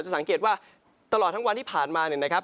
จะสังเกตว่าตลอดทั้งวันที่ผ่านมา